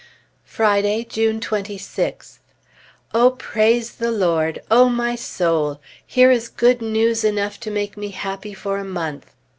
Friday, June 26th. O praise the Lord, O my soul! Here is good news enough to make me happy for a month!